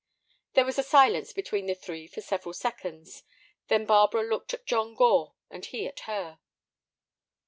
There was silence between the three for several seconds. Then Barbara looked at John Gore and he at her.